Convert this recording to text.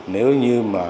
nếu như mà